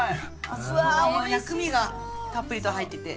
薬味がたっぷりと入ってて。